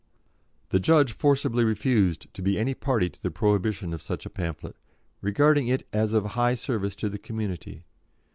The judge forcibly refused to be any party to the prohibition of such a pamphlet, regarding it as of high service to the community.